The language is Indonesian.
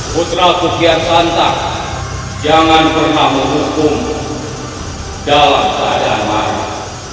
putra kukian santak jangan pernah menghukum dalam keadaan malam